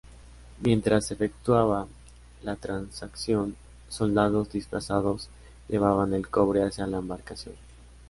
Mientras se efectuaba la transacción, soldados disfrazados llevaban el cobre hacia la embarcación.